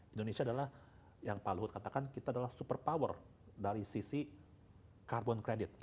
indonesia adalah yang pak luhut katakan kita adalah super power dari sisi carbon credit